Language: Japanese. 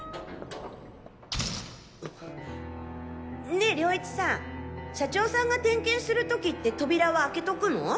ねえ涼一さん社長さんが点検する時って扉は開けとくの？